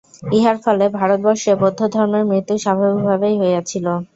ইহার ফলে ভারতবর্ষে বৌদ্ধধর্মের মৃত্যু স্বাভাবিকভাবেই হইয়াছিল।